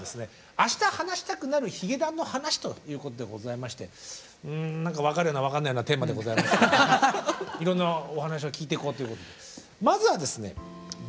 「明日話したくなるヒゲダンの話」ということでございましてうん何か分かるような分かんないようなテーマでございますがいろんなお話を聞いていこうということでまずはですね